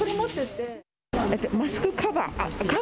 マスクカバー？